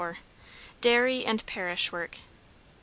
DAIRY AND PARISH WORK.